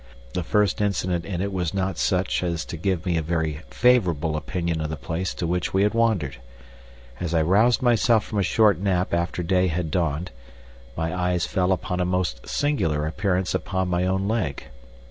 The first incident in it was not such as to give me a very favorable opinion of the place to which we had wandered. As I roused myself from a short nap after day had dawned, my eyes fell upon a most singular appearance upon my own leg.